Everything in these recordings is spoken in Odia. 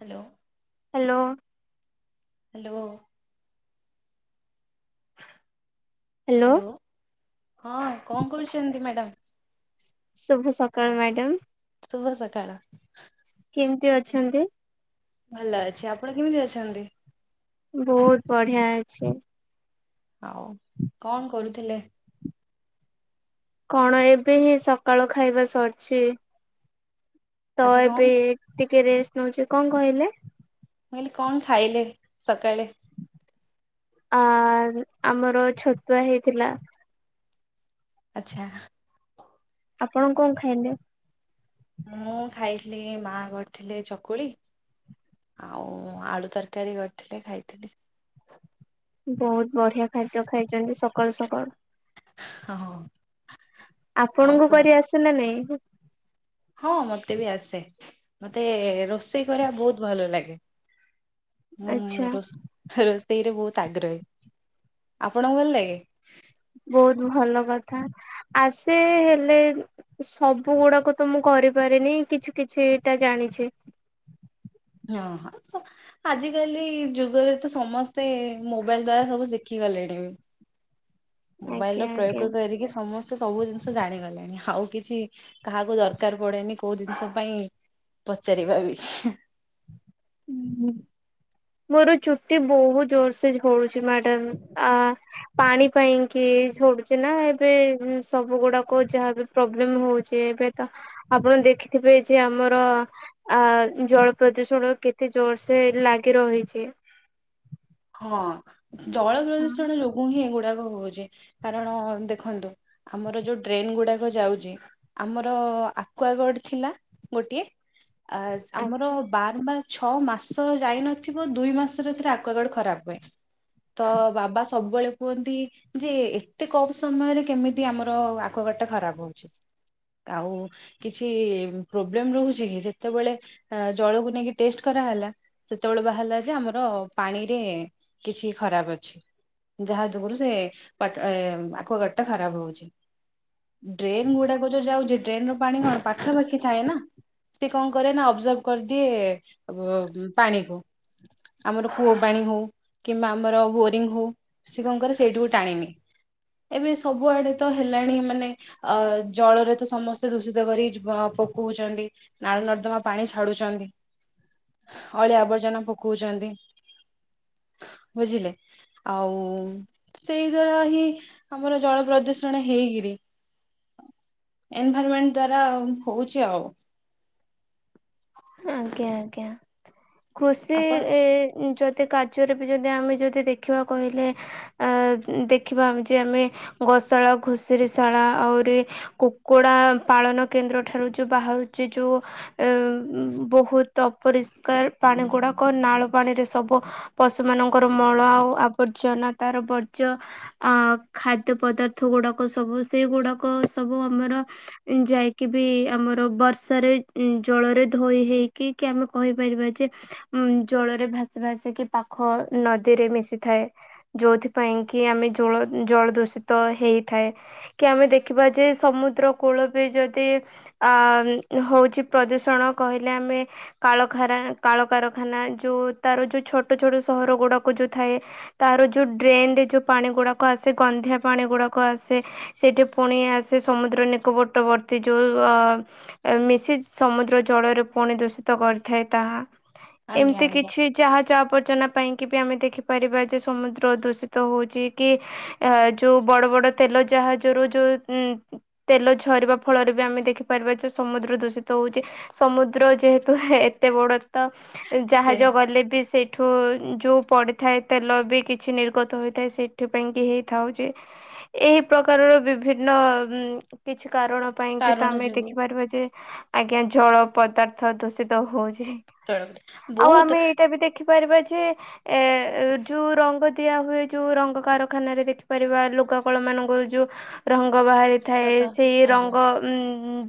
ହ୍ୟାଲୋ। ହ୍ୟାଲୋ। ହ୍ୟାଲୋ। ହ୍ୟାଲୋ, ହଁ କଣ କରୁଛନ୍ତି ମ୍ୟାଡ଼ାମ? ଶୁଭ ସକାଳ ମ୍ୟାଡ଼ମ୍। ଶୁଭ ସକାଳ। କେମିତି ଅଛନ୍ତି? ଭଲ ଅଛି। ଆପଣ କେମିତି ଅଛନ୍ତି? ବହୁତ ବଢିଆ ଅଛି। ଆଉ କଣ କରୁଥିଲେ? କଣ ଏବେ ହିଁ ସକାଳ ଖାଇବା ସରିଛି। ତ ଆଜି କଣ ଏବେ ମୁଁ ଟିକେ ରେଷ୍ଟ ନଉଚି। କଣ କହିଲେ? ମୁଁ କହିଲି କଣ ଖାଇଲେ ସକାଳେ? ଆ, ଆମର ଛତୁଆ ହେଇଥିଲା। ଆଚ୍ଛା। ଆପଣ କଣ ଖାଇଲେ? ମୁଁ ଖାଇଥିଲି ଏ ମା କରିଥିଲେ ଚକୁଳି। ଆଉ ଆଳୁ ତରକାରୀ କରିଥିଲେ ଖାଇଥିଲି। ବହୁତ ବଢିଆ ଖାଦ୍ୟ ଖାଇଛନ୍ତି ସକାଳୁ ସକାଳୁ। ହଁ ଆଉ ଆପଣଙ୍କୁ କୁହନ୍ତୁ କରି ଆସେ ନା ନାହିଁ? ହଁ ମୋତେ ବି ଆସେ। ମୋତେ ରୋଷେଇ କରିବା ବହୁତ ଭଲ ଲାଗେ। ଆଚ୍ଛା ମୁଁ ରୋଷେଇରେ ବହୁତ ଆଗ୍ରହୀ। ଆପଣଙ୍କୁ ଭଲ ଲାଗେ? ବହୁତ ଭଲ କଥା, ଆସେ ହେଲେ ଏ ସବୁ ଗୁଡାକ ତ ମୁଁ କରିପାରେନି କିଛି କିଛିଟା ଜାଣିଛି। ହଁ ହଁ ତ ଆଜିକାଲି ଯୁଗରେ ତ ସମସ୍ତେ ମୋବାଇଲ୍ ଦ୍ଵାରା ସବୁ ଶିଖିଗଲେଣି। ମୋବାଇଲ୍ ର ଆଜ୍ଞା ପ୍ରୟୋଗ କରିକି ସମସ୍ ସେ ସବୁ ଜିନିଷ ଜାଣିଗଲେଣି। ଆଉ କିଛି କାହାକୁ ଦରକାର ପଡେନି କୋଉ ଜିନିଷ ପାଇଁ ପଚାରିବା ବି। ଉଁ, ହୁଁ। ମୋର ଚୁଟି ବହୁତ ଜୋର ସେ ଝଡୁଛି ମ୍ୟାଡାମ୍। ଆ ପାଣି ପାଇଁ କିି ଝଡୁଛି ନା ଏବେ ଉଁ, ସବୁ ଗୁଡାକ ଯାହା ବି ପ୍ରୋବ୍ଲେମ୍ ହଉଛି ଏବେ ତ ଆପଣ ଦେଖିଥିବେ ଯେ ଆମର ଆ ଉଁ, ଜଳ ପ୍ରଦୂଷଣ କେତେ ଜୋରସେ ଲାଗି ରହିଛି? ହଁ ଜଳ ହଁ ପ୍ରଦୂଷଣ ଲ ମୁଁ ହିଁ ଏଗୁଡାକ ହଉଛି କାରଣ ଦେଖନ୍ତୁ ଆମର ଯୋଉ ଡ୍ରେନ୍ ଗୁଡାକ ଯାଉଚି। ଆମର ଆକ୍ବାଗଡ଼ ଥିଲା ଗୋଟିଏ। ଆ, ଆମର ବାର ବାର ଛଅ ମାସ ଯାଇନଥିବ ଦୁଇ ମାସ ସେଟା ସେଟା ଆକ୍ଵାଗଡ଼ ଖରାପ ପାଇଁ, ତ ବାବା ସବୁବେଳେ କୁହନ୍ତି ଯେ ଏତେ କମ ସମୟରେ କେମିତି ଆମର ଆକ୍ଵାଗାଡ଼ ଟା ଖରାପ ହଉଛି। ଆଉ କିଛି ପ୍ରୋବ୍ଲେମ୍ ରହୁଛି କି ଯେତେବେଳେ ଅ, ଜଳକୁ ନେଇକି ଟେଷ୍ଟ କରାହେଲା। ସେତେବେଳେ ବାହାରିଲା ଯେ ଆମର ପାଣିରେ କିଛି ଖରାପ ଅଛି। ଯାହା [unintelligible] ୟେ ଆକ୍ଵାଗାର୍ଡଟା ଖରାପ ହଉଛି। ଡ୍ରେନ୍ ଗୁଡାକ ଯୋଉ ଯାଉଚି। ଡ୍ରେନର ପାଣି କଣ ପାଖାପାଖି ଥାଏ ନା? ସେ କଣ କରେ ନା ଅବ୍ଜର୍ଭ କରିଦିଏ ଓ-ବ ପାଣିକୁ। ଆମର କୂଅପାଣି ହଉ କିମ୍ବା ଆମର ବୋରିଙ୍ଗ୍ ହଉ, ସେ କଣ କରେ ସେଇଠିକୁ ଟାଣିନିଏ। ଏବେ ସବୁଆଡେ ତ ହେଲାଣି ମାନେ ଅ ଜଳରେ ତ ସମସ୍ତେ ଦୂଷିତ କରି ପ-ପକଉଚନ୍ତି। ନାଳ ନର୍ଦ୍ଦମା ପାଣି ଛାଡୁଚନ୍ତି। ଅଳିଆ ଆବର୍ଜନା ପ କଉଚନ୍ତି ବୁଝିଲେ। ଆଉ ସେଇ ଦ୍ଵାରା ହିଁ ଆମର ଜଳ ପ୍ରଦୂଷଣ ହେଇକିରି ଏନଭାଇର୍ମେଣ୍ଟ ଦ୍ଵାରା ହଉଛି ଆଉ। ହ। ଆଜ୍ଞା ଆଜ୍ଞା। କୃଷି ଆପଣ ଏ ଯଦି କା ର୍ଯ୍ୟରେ ବି ଯଦି ଆମେ ଯଦି ଦେଖିବା କହିଲେ ଆଁ ଦେଖିବା ଆମେ ଯେ ଆମେ ଗୋଶାଳା ଘୁଷୁରୀଶାଳା ଆହୁରି କୁକୁଡା ପାଳନ କେନ୍ଦ୍ରଠାରୁ ଯୋଉ ବାହାରୁଛି ଯୋଉ ବହୁତ ଅପରିଷ୍କାର ପାଣି ଗୁଡ଼ାକ। ନାଳ ପାଣିରେ ସବୁ ପଶୁ ମାନଙ୍କର ମଳ ଆଉ ଆବର୍ଜନା ତାର ବର୍ଜ୍ୟ ଅ ଖାଦ୍ୟ ପଦାର୍ଥ ଗୁଡାକ ସବୁ ସେଗୁଡାକ ସବୁ ଆମର ଯାଇକି ବି ଆମର ବର୍ଷାରେ ଜଳରେ ଧୋଇ ହେଇକି କି ଆମେ କହିପାରିବା ଯେ ଉଁ ଜଳରେ ଭାସି ଭାସିିକି ପାଖ ନଦୀରେ ମିଶିଥାଏ। ଯୋଉଥିପାଇଁ କି ଆମେ ଜଳ ଜଳ ଦୂଷିତ ହେଇଥାଏ। କି ଆମେ ଦେଖିବା ଯେ, ସମୁଦ୍ର କୂଳ ବି ଯଦି ଆଁ ହଉଛି ପ୍ରଦୂଷଣ କହିଲେ ଆମେ କାଳଖାନା କାଳକାରଖାନା ଯୋଉ ତାର ଯୋଉ ଛୋଟ ଛୋଟ ସହର ଗୁଡାକ ଯୋଉ ଥାଏ ତା ର ଯୋଉ ଡ୍ରେନରେ ଯୋଉ ପାଣି ଗୁଡାକ ଆସେ ଗନ୍ଧିଆ ପାଣି ଗୁଡାକ ଆସେ। ସେଇଠି ପୁଣି ଆସେ ସମୁଦ୍ର ନିକବଟବର୍ତ୍ତୀ ଯୋଉ ଅ ମିଶି ସମୁଦ୍ର ଜଳରେ ପୁଣି ଦୂଷିତ କରିଥାଏ ତାହା। ଆଜ୍ଞା ଏମିତି ଆଜ୍ଞା କିଛି ଯାହା ଯାହା ଆବର୍ଜନା ପାଇଁକି ବି ଆମେ ଦେଖିପାରିବା ଯେ ସମୁଦ୍ର ଦୂଷିତ ହେଉଛି କି ଅ ଯୋଉ ବଡ ବଡ ତେଲ ଜାହାଜରୁ ଯୋଉ ଉଁ ତେଲ ଝରିବା ଫଳରେ ବି ଆମେ ଦେଖିପାରିବା ଯେ ସମୁଦ୍ର ଦୂଷିତ ହଉଚି। ସମୁଦ୍ର ଯେହେତୁ ଏତେ ବଡ ତ ସେ ଜାହାଜ ଗଲେ ବି ସେ ଠୁ ଯୋଉ ପଡିଥାଏ ତେଲ ବି କିଛି ନିର୍ଗତ ହୋଇଥାଏ। ସେଥି ପାଇଁ କି ହେଇଥାଉ ଯେ ଏହି ପ୍ରକାରର ବିଭିନ୍ନ କିଛି କାରଣ ପାଇଁ କି ତ କାରଣ ଆମେ ଯୋଗୁ ଦେଖିପାରିବା ଯେ ଆଜ୍ଞା ଜଳ ପଦାର୍ଥ ଦୂଷିତ ହଉଛି। ତୈଳବୀଜ ଆଉ ବହୁତ ଆମେ ଏଇଟା ବି ଦେଖିପାରିବା ଯେ ଏ ଯୋଉ ରଙ୍ଗ ଦିଆ ହୁଏ ଯୋଉ ରଙ୍ଗ କାରଖାନାରେ ଦେଖି ପାରିବା ଲୁଗା କଳମାନଙ୍କର ଯୋଉ ରଙ୍ଗ ବାହାରିଥାଏ। ତ ସେଇ ରଙ୍ଗ ଆଜ୍ଞା ଉଁ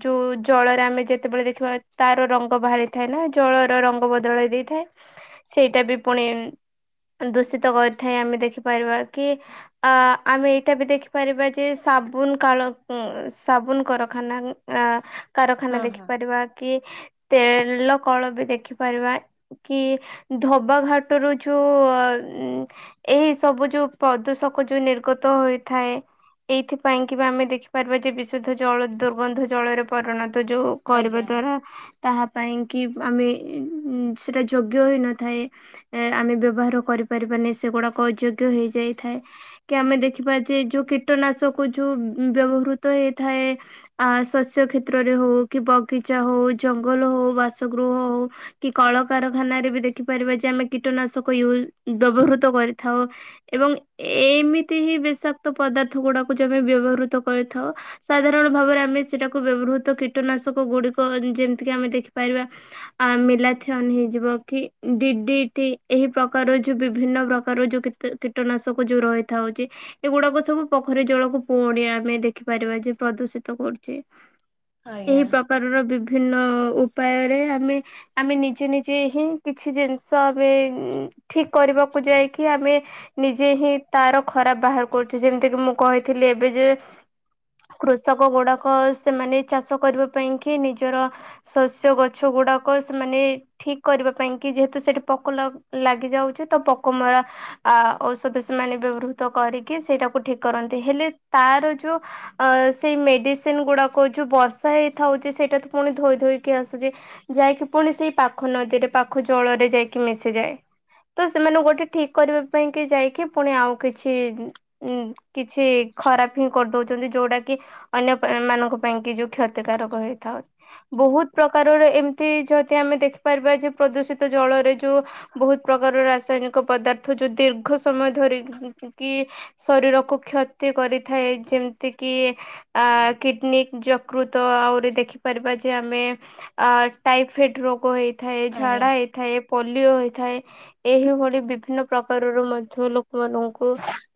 ଯୋଉ ଜଳରେ ଆମେ ଯେତେବେଳେ ଦେଖିବା ତାର ରଙ୍ଗ ବାହାରିଥାଏ ନା ଜଳର ରଙ୍ଗ ବଦଳାଇ ଦେଇଥାଏ। ସେଇଟା ବି ପୁଣି ଦୂଷିତ କରିଥାଏ। ଆମେ ଦେଖିପାରିବା କି ଆଁ ଆମେ ଏଇଟା ବି ଦେଖିପାରିବା ଯେ ସାବୁନ କାଳ ସାବୁନ କାରଖାନା ଆ କାରଖାନା ହଁ ହଁ ଦେଖିପାରିବା କି ତେଲ କଳ ବି ଦେଖିପାରିବା। କି ଧବାଘାଟରୁ ଯୋଉ ଏଇ ସବୁ ଯୋଉ ପ୍ରଦୂଷକ ଯୋଉ ନିର୍ଗତ ହୋଇଥାଏ। ଏଇଥିପାଇଁ କି ବା ଆମେ ଦେଖିପାରିବା ଯେ ବିଶୁଦ୍ଧ ଜଳ ଦୁର୍ଗନ୍ଧ ଜଳରେ ପରିଣତ ଯୋଉ କରିବା ଆଜ୍ଞା ଦ୍ୱାରା ତାହା ପାଇଁ କି ଆମେ ଇଁ-ଇଁ ସେଇଟା ଯୋଗ୍ୟ ହୋଇନଥାଏ। ଏ ଆମେ ବ୍ୟବହାର କରିପାରିବାନି ସେଗୁଡାକ ଅଯୋଗ୍ୟ ହେଇ ଯାଇଥାଏ। କି ଆମେ ଦେଖିବା ଯେ ଯୋଉ କୀଟନାଶକୁ ଯୋଉ ବ୍ୟବହୃତ ହେଇଥାଏ ଆ ଶସ୍ୟ କ୍ଷେତ୍ରରେ ହଉ କି ବଗିଚା ହଉ ଜଙ୍ଗଲ ହଉ ବାସଗୃହ ହଉ କି କଳ କାରଖାନାରେ ବି ଦେଖିପାରିବା ଯେ ଆମେ କୀଟନାଶକ ୟୁ ବ୍ୟବହୃତ କରିଥାଉ। ଏବଂ ଏମିତି ହିଁ ବିଷାକ୍ତ ପଦାର୍ଥ ଗୁଡ଼ାକୁ ଯେମେ ବ୍ୟବହୃତ କରିଥାଉ ସାଧାରଣ ଭାବରେ ଆମେ ସେଟାକୁ ବ୍ୟବହୃତ କୀଟନାଶକ ଗୁଡିକ ଯେମିତିକି ଆମେ ଦେଖିପାରିବା ଆ ମିଲାଥିଅନ୍ ହେଇଯିବ କି ଡିଡିଟି ଏହି ପ୍ରକାରର ଯୋଉ ବିଭିନ୍ନ ପ୍ରକାର ଯୋଉ କି କି କୀଟନାଶକ ଯୋଉ ରହିଥାଉଚି ଏଗୁଡାକ ସବୁ ପୋଖରୀ ଜଳକୁ ପୁଣି ଆମେ ଦେଖିପାରିବା ଯେ ପ୍ରଦୂଷିତ କରୁଚି। ଏହି ଆଜ୍ଞା ପ୍ରକାରର ବିଭିନ୍ନ ଉପାୟରେ ଆମେ ଆମେ ନିଜେ ନିଜେ ହିଁ କିଛି ଜିନିଷ ଆମେ ଠିକ୍ କରିବାକୁ ଯାଇକି ଆମେ ନିଜେ ହିଁ ତାର ଖରାପ୍ ବାହାର୍ କରୁଛି ଯେମିତିକି ମୁଁ କହିଥିଲି ଏବେ ଯେ କୃଷକ ଗୁଡାକ ସେମାନେ ଚାଷ କରିବା ପାଇଁ କି ନିଜର ଶସ୍ୟ ଗଛ ଗୁଡ଼ାକ ସେମାନେ ଠିକ୍ କରିବା ପାଇଁ କି ଯେହେତୁ ସେଠି ପୋକ ଲ ଲାଗି ଯାଉଚି ତ ପୋକ ମରା ଆ ଔଷଦ ସେମାନେ ବ୍ୟବହୃତ କରିକି ସେଇଟାକୁ ଠିକ୍ କରନ୍ତି ହେଲେ ତାର ଯୋ ଅ ସେଇ ମେଡିସିନ୍ ଗୁଡାକ ଯୋଉ ବର୍ଷା ହେଇଥାଉଚି ସେଇଟା ତ ପୁଣି ଧୋଇ ଧୋଇକି ଆସୁଚି। ଯାଇକି ପୁଣି ସେଇ ପାଖ ନଦୀରେ ପାଖ ଜଳରେ ଯାଇକି ମିଶିଯାଏ। ତ ସେମାନେ ଗୋଟେ ଠିକ୍ କରିବା ପାଇଁ କି ଯାଇକି ପୁଣି ଆଉ କିଛି ଉଁ କିଛି ଖରାପ୍ ହିଁ କରିଦଉଚନ୍ତି ଯୋଉଟା କି ଅନ୍ୟ ପ୍ରା ମାନଙ୍କ ପାଇଁ କି ଯୋଉ କ୍ଷ ତିକାରକ ହେଇଥାଉଚି। ବହୁତ୍ ପ୍ରକାରର ଏମ୍ତି ଯଦି ଆମେ ଦେଖିପାରିବା ଯେ ପ୍ରଦୂଷିତ ଜଳରେ ଯୋ ବହୁତ୍ ପ୍ରକାର ରାସାୟନିକ ପଦାର୍ଥ ଯୋ ଦୀର୍ଘ ସମୟ ଧରି [unintelligible] କି କି ଶରୀରକୁ କ୍ଷତି କରି ଥାଏ ଯେମିତି କି ଆ କିଡନି ଜ ତ ଆଉରି ଦେଖିପାରିବା ଯେ ଆମେ ଟାଇଫଏଡ଼୍ ରୋଗ ହେଇଥାଏ ଆଜ୍ଞା ଝାଡ଼ା ହେଇ ଥାଏ ପୋଲିଓ ହୋଇଥାଏ। ଏହିଭଳି ବିଭିନ୍ନ ପ୍ରକାରର ମଧ୍ୟ ଲୋକମାନଙ୍କୁ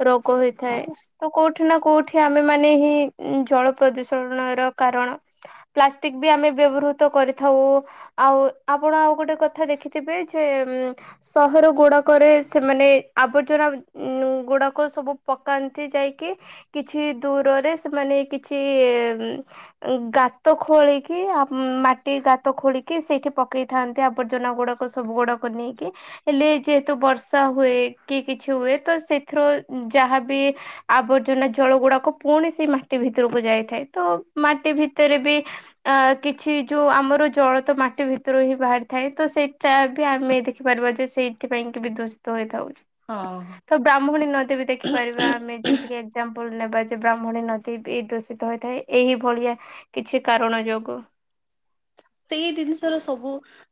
ରୋଗ ହେଇଥାଏ। ତ କୋଉଠି ନା କୋଉଠି ଆମେ ମାନେ ହିଁ ଉଁ ଜଳ ପ୍ରଦୂଷଣର କାରଣ। ପ୍ଲାଷ୍ଟିକ୍ ବି ଆମେ ବ୍ୟବହୃତ କରିଥାଉ। ଆଉ ଆପଣ ଆଉ ଗୋଟେ କଥା ଦେଖିଥିବେ ଯେ ଉମ୍ ସହର ଗୁଡାକରେ ସେମାନେ ଆବର୍ଜନା ଉଁ ନୁ ଗୁଡ଼ାକ ସବୁ ପକାନ୍ତି ଯାଇକି। କିଛି ଦୂରରେ ସେମାନେ କିଛି ଏମ୍ [unintelligible] ଗାତ ଖୋଳିକି ଆମ୍ ମାଟି ଗାତ ଖୋଳିକି ସେଇଠି ପକେଇଥାନ୍ତି ଆବର୍ଜନା ଗୁଡା କ ସବୁ ଗୁଡାକୁ ନେଇକି। ହେଲେ ଯେହେତୁ ବର୍ଷା ହୁଏ କି କିଛି ହୁଏ ତ ସେଥିର ଯାହାବି ଆବର୍ଜନା ଜଳ ଗୁଡାକ ପୁଣି ସେଇ ମାଟି ଭିତରକୁ ଯାଇଥାଏ ତ ମାଟି ଭିତରେ ବି ଆ କିଛି ଯୋଉ ଆମର ଜଳ ତ ମାଟି ଭିତରୁ ହିଁ ବାହାରିଥାଏ ତ ସେଇଟା ବି ଆମେ ଦେ ଦେଖିପାରିବ ଯେ ସେଇଥିପାଇଁ କି ବି ଦୂଷିତ ହେଇଥାଉଚି। ତ ବ୍ରାହ୍ମୁଣୀ ନଦୀ ବି ଦେଖି ପାରିବା ଆମେ ହଁ। ଯେମିତିକି ଏ ଏକ୍ଜାମ୍ପୁଲ୍ ନେବା ଯେ ବ୍ରାହ୍ମୁଣୀ ନଦୀ ବି ଦୂଷିତ ହୋଇଥାଏ। ଏହିଭଳିଆ କିଛି କାରଣ ଯୋଗୁ। ସେଇ ଦିନିଷ ର ସବୁ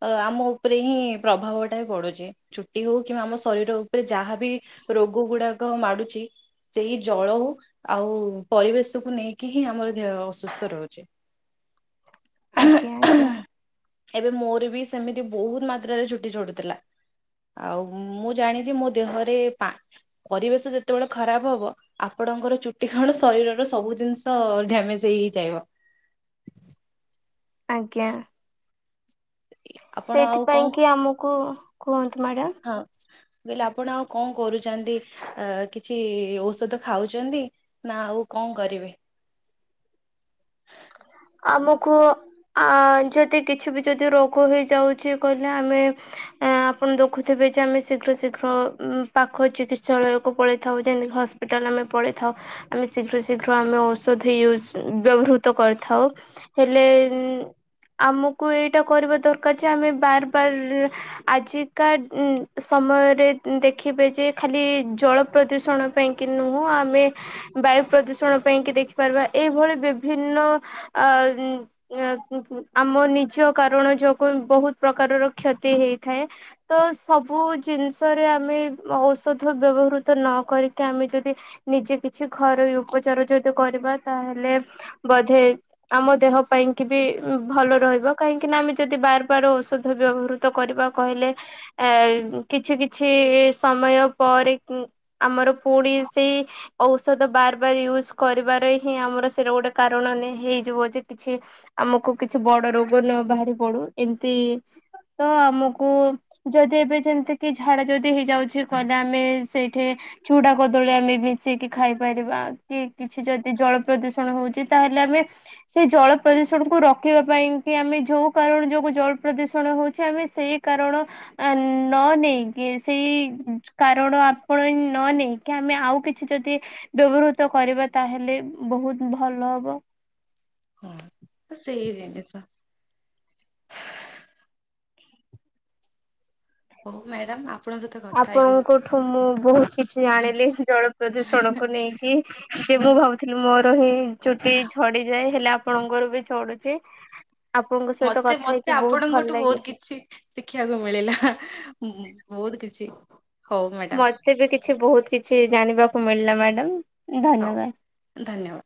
ଅ ଆମ ଉପରେ ହିଁ ପ୍ରଭାବଟା ପଡୁଛି ଛୁଟି ହଉ କିମ୍ବା ଆମ ଶରୀର ଉପରେ ଯାହାବି ରୋଗ ଗୁଡାକ ମାଡୁଛି। ସେଇ ଜଳ ଉ ଆଉ ପରିବେଶକୁୁ ନେଇକି ହିଁ ଆମର ଦେହ ଅସୁସ୍ଥ ରହୁଛି। ଆଜ୍ଞା ଆଜ୍ଞା। ଏବେ ମୋର ବି ସେମିତି ବହୁତ ମାତ୍ରାରେ ଚୁଟି ଝଡୁ ଥିଲା। ଆଉ ମୁଁ ଜାଣିଛି ମୋ ଦେହରେ ପା ପରିବେଶ ଯେତେବେଳେ ଖରାପ ହବ ଆପଣଙ୍କର ଚୁଟି କଣ ଶରୀରର ସବୁ ଜିନିଷ ଡ୍ୟାମେଜ ହେଇ ହେଇଯାଇବ। ଆଜ୍ଞା ଆପଣ ଆଉ ସେଥିପାଇଁ କଣ କି ଆମକୁ କୁହନ୍ତୁ ମ୍ୟାଡାମ। ହଁ। ମୁଁ କହିଲି ଆପଣ ଆଉ କଣ କରୁଛନ୍ତି କିଛି ଔଷଧ ଖାଉଛନ୍ତି। ନା ଆଉ କଣ କରିବେ। ଆମକୁ ଆ ଯଦି କିଛି ବି ଯଦି ରୋଗ ହେଇଯାଉଛି କହିଲେ ଆମେ ଆପଣ ଦେଖୁଥିବେ ଯେ ଆମେ ଶୀଘ୍ର ଶୀଘ୍ର ପାଖ ଚିକିତ୍ସାଳୟକୁ ପଳେଇଥାଉ ଯେମତିକି ହସ ସ୍ପିଟାଲ ଆମେ ପଳେଇଥାଉ। ଆମେ ଶୀଘ୍ର ଶୀଘ୍ର ଆମେ ଔଷଧ ୟୁଜ୍ ବ୍ୟବହୃ ତ କରିଥାଉ। ହେଲେ ଆମକୁ ଏଇଟା କରିବା ଦରକାର ଯେ ଆମେ ବାର ବାର ଆଜିକା ସମୟରେ ଦେଖିବେ ଯେ ଖାଲି ଜଳ ପ୍ରଦୂଷଣ ପାଇଁ କିି ନୁହଁ ଆମେ ବାୟୁ ପ୍ରଦୂଷଣ ପାଇଁକି ଦେଖିପାରିବା ଏଇଭଳି ବିଭିନ୍ନ ଆ। ଉଁ ଉଁ ଆମ ନିଜ କାରଣ ଯୋଗୁ ବହୁତ ପ୍ରକାରର କ୍ଷତି ହେଇଥାଏ। ତ ସବୁ ଜିନିଷରେ ଆମେ ଔଷଧ ବ୍ୟବହୃତ ନ କରିକି ଆମେ ଯଦି ନିଜେ କିଛି ଘରୋଇ ଉପଚାର ଯଦି କରିବା ତାହେଲେ ବୋଧେ ଆମ ଦେହ ପାଇଁ କି ବି ଭଲ ରହିବ କାହିଁକି ନା ଆମେ ଯଦି ବାର ବାର ଔଷଧ ବ୍ୟବହୃତ ତ କରିବା କହିଲେ ଏ କିଛି କିଛି ସମୟ ପରେ ଆମର ପୁଣି ସେଇ ଔଷଧ ବାର ବାର ୟୁଜ୍ କରିବାରେ ହିଁ ଆମର ସେଇଟା ଗୋଟେ କାରଣ ନ ହେଇଯିବ ଯେ କିଛି ଆମକୁ କିଛି ବଡ ରୋଗ ନ ବାହାରି ପଡୁ ଏମିତି ତ ଆମକୁ ଯଦି ଏବେ ଯେମିତି କି ଝାଡା ଯଦି ହେଇଯାଉଛି କହିଲେ ଆମେ ସେଇଠି ଚୁଡା କଦଳୀ ଆମେ ମିଶେଇକି ଖାଇପାରିବା। କି କିଛି ଯଦି ଜଳ ପ୍ରଦୂଷଣ ହଉଛି। ତାହେଲେ ଆମେ। ସେ ଜଳ ପ୍ରଦୂଷଣକୁୁ ରଖିବା ପାଇଁ କି ଆମେ ଯୋଉ କାରଣ ଯୋଉ ଜଳ ପ୍ରଦୂଷଣ ହଉଛି ଆମେ ସେଇ କାରଣ ନ ନେଇକି ସେଇ କାରଣ ଆପଣେଇ ନ ନେଇକି କି ଆମେ ଆଉ କିଛି ଯଦି ବ୍ୟବହୃତ କରିବା ତାହେଲେ ବହୁତ ଭଲ। [unintelligible] ହଁ ସେଇ ଜିନିଷ। ହଉ ମ୍ୟାଡ଼ମ୍ ଆପ ଆପଣଙ୍କଠୁ ମୁଁ ବହୁତ କିଛି ଜାଣିଲି ଜଳ ପ୍ରଦୂଷଣକୁ ନେଇକି। ଯେ ମୁଁ ଭାବୁଥିଲି ମୋର ହିଁ ଚୁଟି ଝଡିଯାଏ, ହେଲେ ଆପଣଙ୍କର ବି ଝଡୁଛି। ଆପଣଙ୍କ ସହିତ ମତେ କଥା ହେଇକି ମତେ ବହୁତ ଭଲ ଆପଣଙ୍କଠୁ ଲାଗେ। ବହୁତ କିଛି ଶିଖିବାକୁ ମିଳିଲା ବହୁତ କିଛି ହଉ ମ୍ୟାଡାମ। ଫିର୍ ବି କିଛି ବହୁତ କିଛି ଜାଣିବାକୁ ମିଳିଲା ମ୍ୟାଡ଼ାମ ହଉ ଧନ୍ୟବାଦ। ଧନ୍ୟବାଦ।